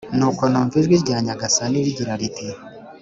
Nuko numva ijwi rya Nyagasani rigira riti